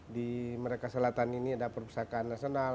di merdeka selatan ini ada perpustakaan nasional